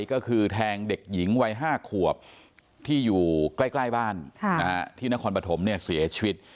ก็คือแทงเด็กหญิงวัย๕ขวบที่อยู่ใกล้บ้านที่นครปฐมเนี่ยเสียชีวิต